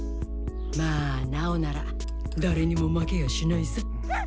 まあ直なら誰にも負けやしないさ！